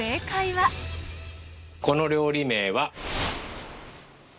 この料理名は。